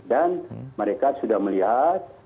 dan mereka sudah melihat